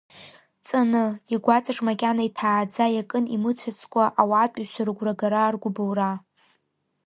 Ҵаны, игәаҵаҿ макьана иҭааӡа иакын имыцәацкәа ауаатәыҩса рыгәрагара, ргәыблра.